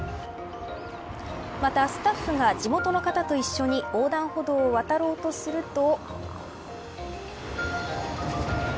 また、スタッフが地元の方と一緒に横断歩道を渡ろうとすると。